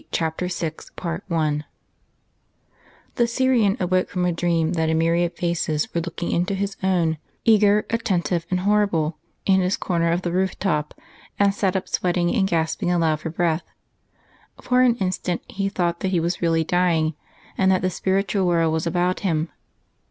CHAPTER VI I The Syrian awoke from a dream that a myriad faces were looking into his own, eager, attentive and horrible, in his corner of the roof top, and sat up sweating and gasping aloud for breath. For an instant he thought that he was really dying, and that the spiritual world was about him.